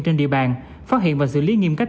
trên địa bàn phát hiện và xử lý nghiêm cách